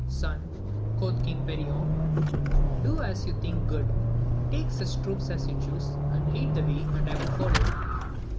Son, quoth King Perion, do as you think good ; take such troops as you choose and lead the way, and I will follow.